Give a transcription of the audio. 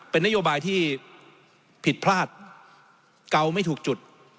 เป็นนโยบายที่ผิดพลาดเกาไม่ถูกจุด